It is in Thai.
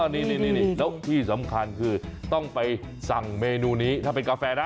นี่แล้วที่สำคัญคือต้องไปสั่งเมนูนี้ถ้าเป็นกาแฟนะ